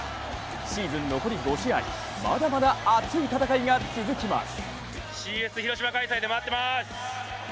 シーズン残り５試合まだまだ熱い戦いが続きます。